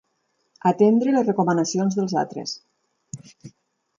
Atendre les recomanacions dels altres.